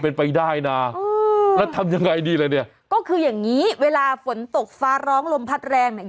เป็นไปได้นะแล้วทำยังไงดีล่ะเนี่ยก็คืออย่างงี้เวลาฝนตกฟ้าร้องลมพัดแรงเนี่ย